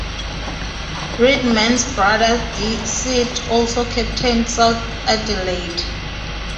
Reedman's brother Sid also captained South Adelaide.